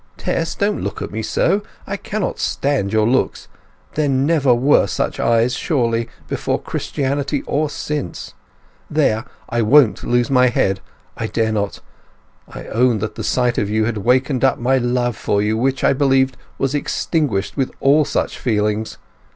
Tess—don't look at me so—I cannot stand your looks! There never were such eyes, surely, before Christianity or since! There—I won't lose my head; I dare not. I own that the sight of you had waked up my love for you, which, I believed, was extinguished with all such feelings.